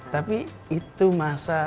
tapi itu masa